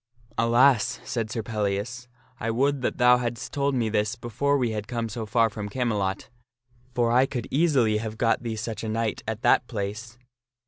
" Alas !" said Sir Pellias, " I would that thou hadst told me this before we had come so far from Camelot ; for I could easily have got thee such a knight at that place.